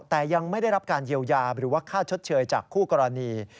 แต่ยังไม่ได้รับการเยียวยาหรือว่าค่าชดเชยจากคู่กรณี